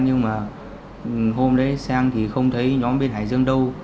nhưng mà hôm đấy sang thì không thấy nhóm bên hải dương đâu